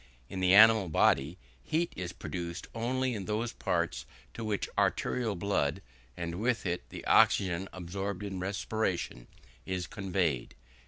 In the animal body, heat is produced only in those parts to which arterial blood, and with it the oxygen absorbed in respiration, is conveyed.